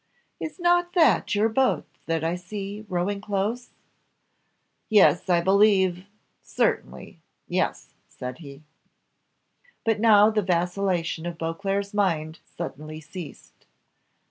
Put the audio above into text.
"Is not that your boat that I see, rowing close?" "Yes, I believe certainly. Yes," said he. But now the vacillation of Beauclerc's mind suddenly ceased.